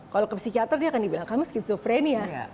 kalau ke psikiater dia akan dibilang kamu schizophrenia